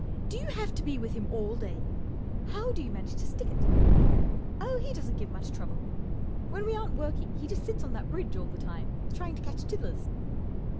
Do you have to be with him all day ? How do you manage to stick it ?" 44 Oh, he doesn't give much trouble. When we aren't working he sits on that bridge all the time, trying to catch tiddlers."